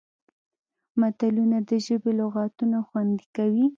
متلونه د ژبې لغتونه خوندي کوي